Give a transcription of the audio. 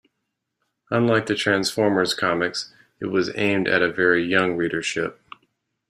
Unlike the "Transformers" comics, it was aimed at a very young readership.